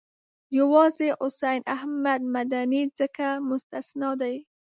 یوازې حسین احمد مدني ځکه مستثنی دی.